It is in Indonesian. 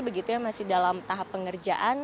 begitu ya masih dalam tahap pengerjaan